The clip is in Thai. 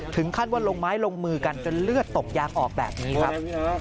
ถึงขั้นว่าลงไม้ลงมือกันจนเลือดตกยางออกแบบนี้ครับ